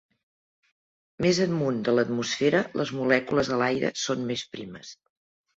Més amunt de l'atmosfera, les molècules a l'aire són més primes.